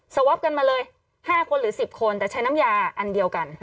สวอปกันมาเลย๕คนหรือ๑๐คนแต่ใช้น้ำยาอันเดียวกัน